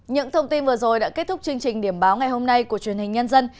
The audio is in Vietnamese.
những thông tin vừa rồi đã kết thúc chương trình điểm báo ngày hôm nay của truyền hình nhân dân